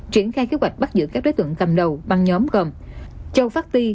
triển khai kế hoạch bắt giữ các đối tượng cầm đầu băng nhóm gồm châu phát ti